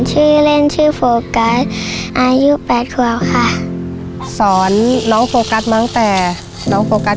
ฉึกเล่นจึงโฟกัส